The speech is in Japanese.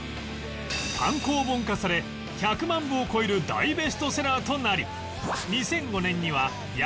単行本化され１００万部を超える大ベストセラーとなり